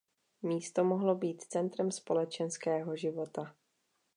Místo mohlo být centrem společenského života.